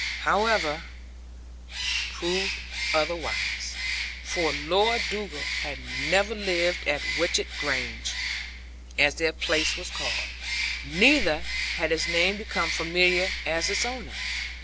This, however, proved otherwise. For Lord Dugal had never lived at Watchett Grange, as their place was called; neither had his name become familiar as its owner.